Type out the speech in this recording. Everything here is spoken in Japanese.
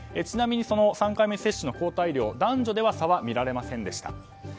ちなみに３回目接種の抗体量男女では差は見られませんでした。